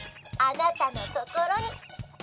あなたのところに。